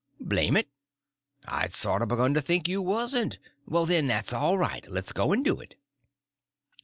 "Blame it, I'd sorter begun to think you wasn't. Well, then, that's all right. Le's go and do it."